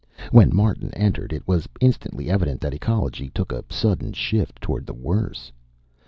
When Martin entered, it was instantly evident that ecology took a sudden shift toward the worse.